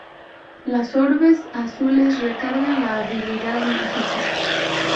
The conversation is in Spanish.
Las orbes azules recargan la habilidad mágica.